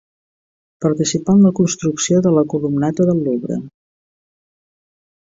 Participà en la construcció de la columnata del Louvre.